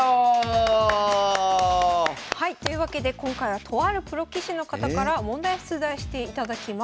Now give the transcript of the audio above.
はいというわけで今回はとあるプロ棋士の方から問題を出題していただきます。